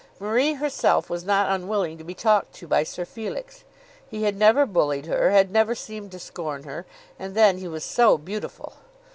Marie herself was not unwilling to be talked to by Sir Felix. He had never bullied her, had never seemed to scorn her; and then he was so beautiful!